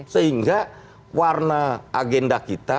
sehingga warna agenda kita